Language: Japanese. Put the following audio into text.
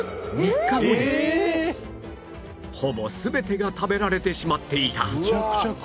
３日後にはほぼ全てが食べられてしまっていた